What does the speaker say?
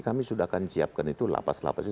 kami sudah akan siapkan itu lapas lapas itu